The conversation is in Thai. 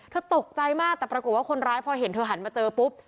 ตกใจมากแต่ปรากฏว่าคนร้ายพอเห็นเธอหันมาเจอปุ๊บ